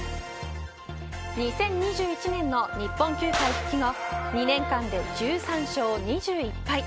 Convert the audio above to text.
２０２１年の日本球界復帰後２年間で１３勝２１敗。